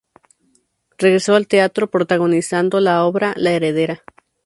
Regresó al teatro protagonizando la obra "La heredera".